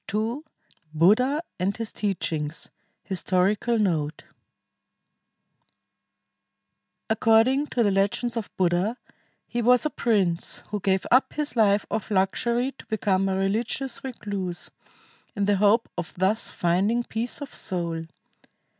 II BUDDHA AND HIS TEACHINGS HISTORICAL NOTE According to the legends of Buddha, he was a prince who gave up his life of luxury to become a religious recluse, in the hope of thus finding peace of soul.